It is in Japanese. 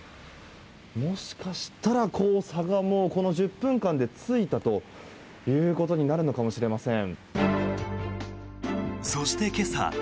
もしかしたら黄砂がもう、この１０分間でついたということになるのかもしれません。